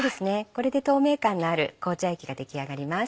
これで透明感のある紅茶液が出来上がります。